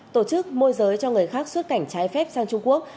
tổ chức môi giới cho người khác xuất cảnh trái phép sang trung quốc